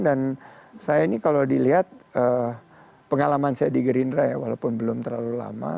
dan saya ini kalau dilihat pengalaman saya di gerindra ya walaupun belum terlalu lama